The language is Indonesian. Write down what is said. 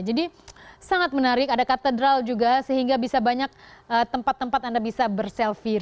jadi sangat menarik ada katedral juga sehingga bisa banyak tempat tempat anda bisa berselfie